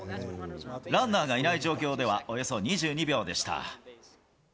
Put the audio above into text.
ランナーがいない状況ではおよそ２２秒でした。